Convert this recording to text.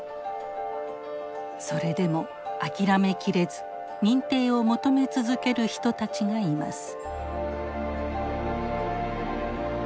それでも諦めきれず認定を求め続ける人たちがいます。